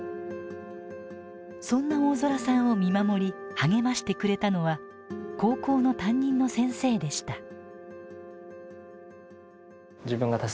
そんな大空さんを見守り励ましてくれたのは高校の担任の先生でした。